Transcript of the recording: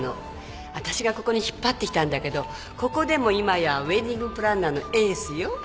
わたしがここに引っ張ってきたんだけどここでも今やウエディングプランナーのエースよ。